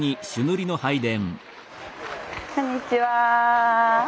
こんにちは。